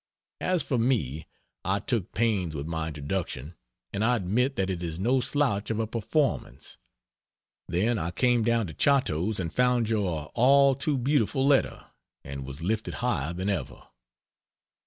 As for me, I took pains with my Introduction, and I admit that it is no slouch of a performance. Then I came down to Chatto's, and found your all too beautiful letter, and was lifted higher than ever.